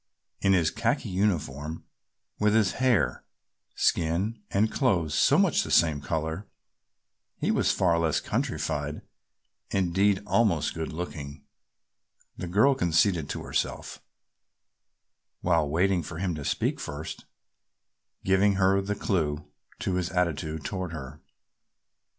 In his khaki uniform, with his hair, skin and clothes so much the same color, he was far less countrified, indeed, almost good looking the girl conceded to herself, while waiting for him to speak first, giving her the clue to his attitude toward her.